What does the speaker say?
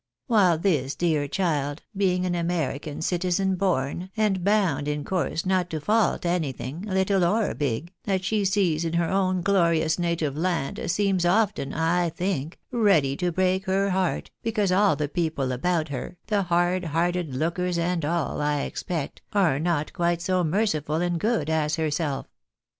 While this dear child, being an American citizen born, and bound in course not to fault anything, little or big, that she sees in her own glorious native land, seems often, I think, ready to break her heart, because all the people about her, the hard hearted lookers and all, I expect, are not quite so merciful and good as herself.